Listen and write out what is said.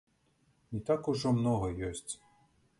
Не так ужо многа ёсць.